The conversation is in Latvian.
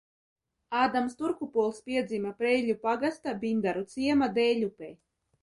Ādams Turkupols piedzima Preiļu pagasta Bindaru ciema Dēļupē.